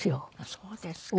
そうですか。